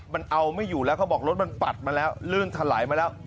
มันเอาไม่อยู่แล้วเขาบอกรถมันปัดมาแล้วลื่นถลายมาแล้ว